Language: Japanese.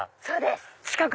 そうです。